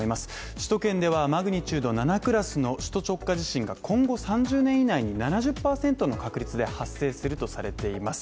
首都圏ではマグニチュード７クラスの首都直下地震が今後３０年以内に７０％の確率で発生するとされています。